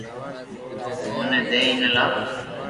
اي ني ايني لاو